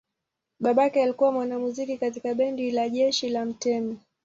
Babake alikuwa mwanamuziki katika bendi la jeshi la mtemi.